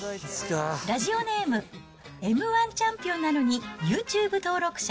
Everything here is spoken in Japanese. ラジオネーム、Ｍー１チャンピオンなのにユーチューブ登録者